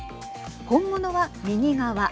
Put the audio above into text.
本物は右側。